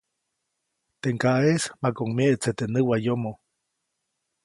Teʼ ŋgaʼeʼis makuʼuŋ myeʼtse teʼ näwayomo.